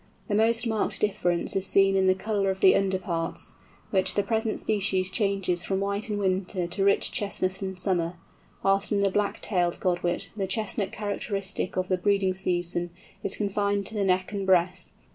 The most marked difference is seen in the colour of the underparts, which the present species changes from white in winter to rich chestnut in summer, whilst in the Black tailed Godwit the chestnut characteristic of the breeding season is confined to the neck and breast.